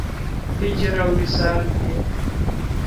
هجر او وصال مې یې